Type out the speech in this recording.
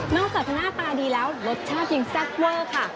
อกจากจะหน้าตาดีแล้วรสชาติยังแซ่บเวอร์ค่ะ